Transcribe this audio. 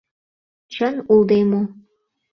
Чын улде мо.